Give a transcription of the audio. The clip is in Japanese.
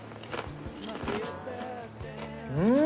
うん！